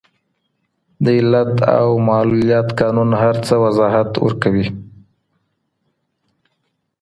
د علت او معلولیت قانون هر څه وضاحت ورکوي.